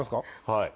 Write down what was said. はい。